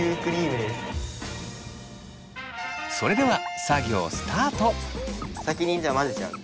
それでは作業先にじゃあ混ぜちゃう？